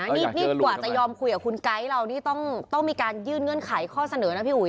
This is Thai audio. นี่กว่าจะยอมคุยกับคุณไก๊เรานี่ต้องมีการยื่นเงื่อนไขข้อเสนอนะพี่อุ๋